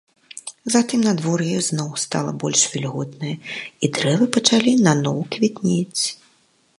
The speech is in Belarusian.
Затым надвор'е ізноў стала больш вільготнае, і дрэва пачалі наноў квітнець.